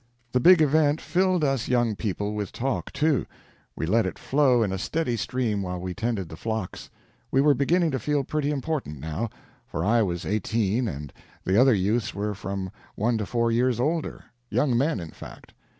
The big event filled us young people with talk, too. We let it flow in a steady stream while we tended the flocks. We were beginning to feel pretty important now, for I was eighteen and the other youths were from one to four years older—young men, in fact.